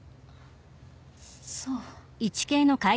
そう。